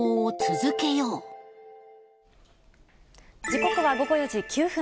時刻は午後４時９分。